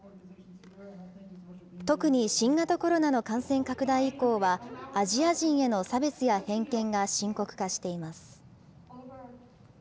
特に新型コロナの感染拡大以降は、アジア人への差別や偏見が深刻化しています。